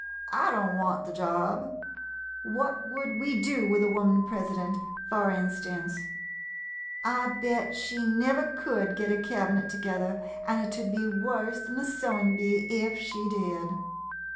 I don't want the job. What would we do with a woman president, fur instance ? I bet she never could git a cabinet together, an' 't 'ud be worse 'n a sewin' bee 123 MODERN MONOLOGUES if she did.